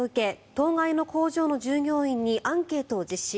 当該の工場の従業員にアンケートを実施。